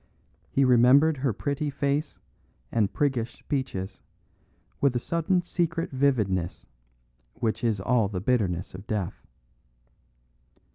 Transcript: He remembered her pretty face and priggish speeches with a sudden secret vividness which is all the bitterness of death.